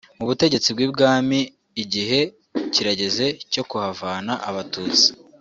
Mu butegetsi bw’ibwami igihe kirageze cyo kuhavana abatutsi